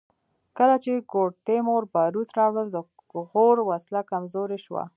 کله چې ګوډ تیمور باروت راوړل د غور وسله کمزورې شوه